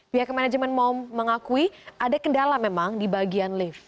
pihak manajemen mengakui ada kendala memang di bagian lift